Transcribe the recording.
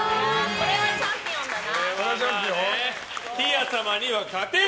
これはチャンピオンだな。